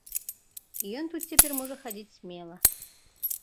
Ён тут цяпер можа хадзіць смела.